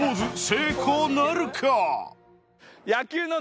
成功なるか？